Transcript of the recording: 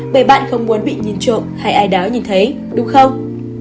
bởi bạn không muốn bị nhìn trộn hay ai đáo nhìn thấy đúng không